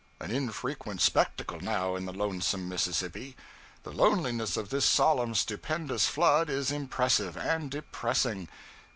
an infrequent spectacle now in the lonesome Mississippi. The loneliness of this solemn, stupendous flood is impressive and depressing.